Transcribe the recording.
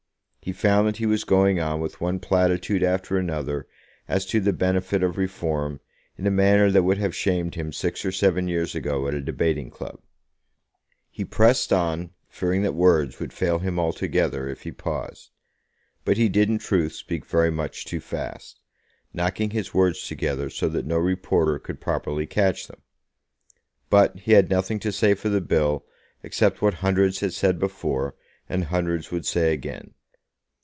He found that he was going on with one platitude after another as to the benefit of reform, in a manner that would have shamed him six or seven years ago at a debating club. He pressed on, fearing that words would fail him altogether if he paused; but he did in truth speak very much too fast, knocking his words together so that no reporter could properly catch them. But he had nothing to say for the bill except what hundreds had said before, and hundreds would say again.